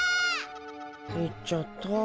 行っちゃった。